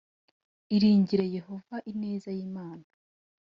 Iringire Yehova Ineza y Imana